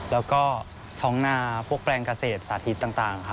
และฐ้องนนาแปลงเกษตรสาธิตต่าง